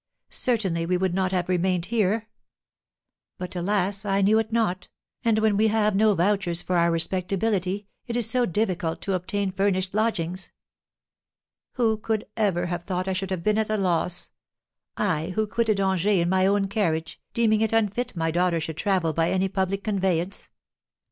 Certainly, we would not have remained here. But, alas, I knew it not; and when we have no vouchers for our respectability, it is so difficult to obtain furnished lodgings. Who could ever have thought I should have been at a loss, I who quitted Angers in my own carriage, deeming it unfit my daughter should travel by any public conveyance?